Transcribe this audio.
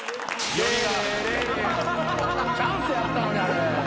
チャンスやったのにあれ。